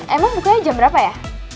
emang bukanya jam berapa ya